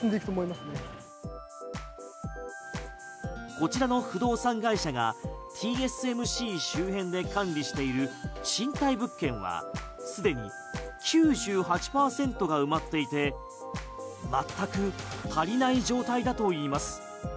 こちらの不動産会社がＴＳＭＣ周辺で管理している賃貸物件は既に９８％が埋まっていて全く足りない状態だといいます。